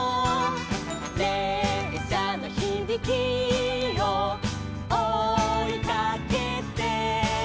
「れっしゃのひびきをおいかけて」